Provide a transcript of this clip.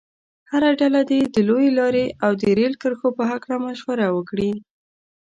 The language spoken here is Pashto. هره ډله دې د لویې لارې او د ریل کرښو په هلکه مشوره وکړي.